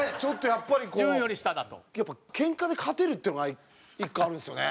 やっぱりケンカで勝てるっていうのが１個あるんですよね。